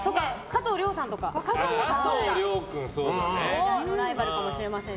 最大のライバルかもしれません。